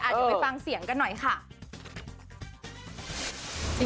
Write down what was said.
เดี๋ยวไปฟังเสียงกันหน่อยค่ะ